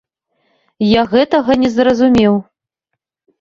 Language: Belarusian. Я гэтага не зразумеў.